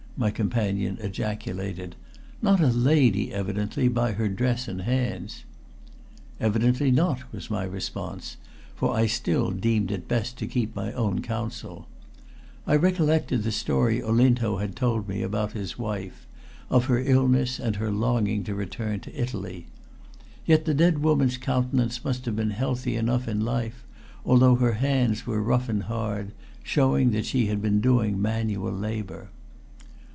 my companion ejaculated. "Not a lady, evidently, by her dress and hands." "Evidently not," was my response, for I still deemed it best to keep my own counsel. I recollected the story Olinto had told me about his wife; of her illness and her longing to return to Italy. Yet the dead woman's countenance must have been healthy enough in life, although her hands were rough and hard, showing that she had been doing manual labor.